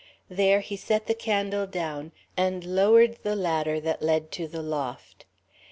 There he set the candle down and lowered the ladder that led to the loft.